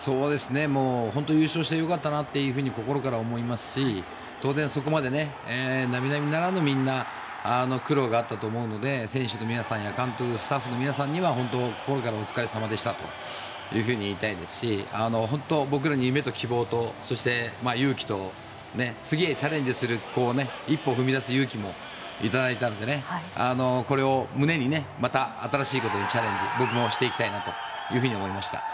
優勝して良かったなと心から思いますし当然、そこまで並々ならぬ苦労があったと思うので選手の皆さんや監督スタッフの皆さんには心からお疲れさまでしたと言いたいですし僕らの夢と希望と勇気と次へチャレンジする一歩踏み出す勇気もいただいたのでこれを胸にまた新しいことに僕もチャレンジしていきたいと思いました。